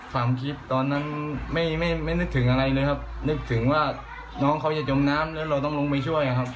ความคิดตอนนั้นไม่ไม่นึกถึงอะไรเลยครับนึกถึงว่าน้องเขาจะจมน้ำแล้วเราต้องลงไปช่วยครับ